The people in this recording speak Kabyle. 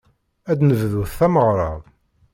Ad d-nebdut tameɣra.